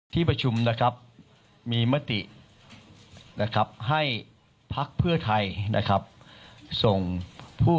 ที่ประชุมนะครับมีมตินะครับให้พักเพื่อไทยนะครับส่งผู้